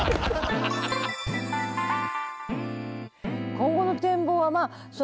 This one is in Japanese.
今後の展望はまあ。